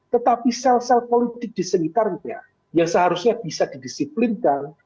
tetapi sel sel politik di sekitarnya yang seharusnya bisa didisiplinkan